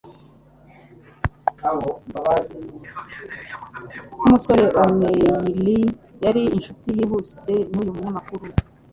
Nkumusore O'Neill yari inshuti yihuse nuyu munyamakuru